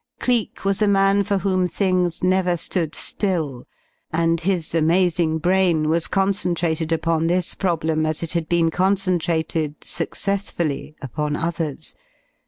Cleek was a man for whom things never stood still, and his amazing brain was concentrated upon this problem as it had been concentrated successfully upon others.